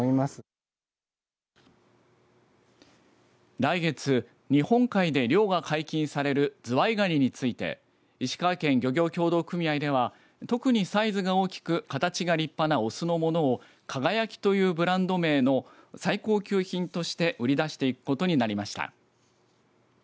来月、日本海で漁が解禁されるズワイガニについて石川県漁業協同組合では特にサイズが大きく形が立派なオスのものを輝というブランド名の最高級品として売り出していくことになりました。